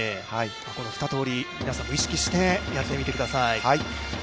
この２通り、皆さんも意識してやってみてください。